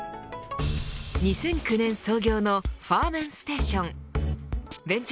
２００９年創業のファーメンステーション。